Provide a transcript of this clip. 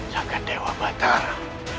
jaga dewa batara